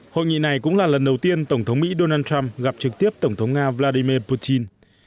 hội nghị này cũng là lần đầu tiên tổng thống mỹ donald trump gặp trực tiếp tổng thống nga vladimir putin